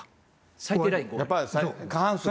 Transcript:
最低ラインが？